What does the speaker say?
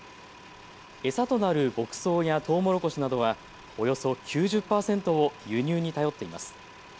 餌となる牧草やトウモロコシなどはおよそ９０％を輸入に頼っています。